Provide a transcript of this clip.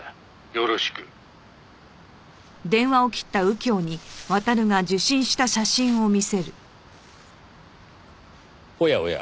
よろしく」おやおや